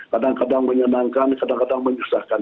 kadang kadang menyenangkan kadang kadang menyusahkan